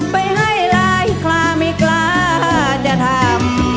ไปให้หลายคลาไม่กล้าจะทำ